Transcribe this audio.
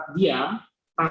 tanpa kita operasi